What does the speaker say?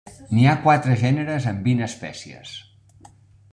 N'hi ha quatre gèneres amb vint espècies.